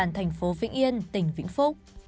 thành phố vĩnh yên tỉnh vĩnh phúc